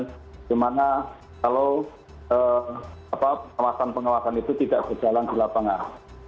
bagaimana kalau kawasan kawasan itu tidak berjalan di lapangan